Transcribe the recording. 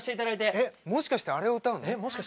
えっもしかしてあれを歌うの？